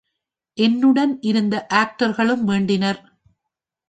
என்னுடனிருந்த ஆக்டர்களும் வேண்டினர்.